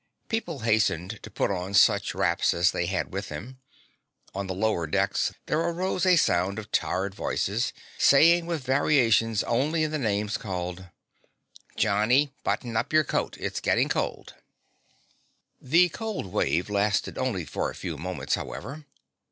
People hastened to put on such wraps as they had with them. On the lower decks there arose a sound of tired voices, saying with variations only in the names called: "Johnnie, button up your coat. It's getting cold." The cold wave lasted only for a few moments, however.